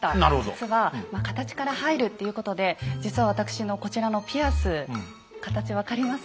実は形から入るっていうことで実は私のこちらのピアス形分かります？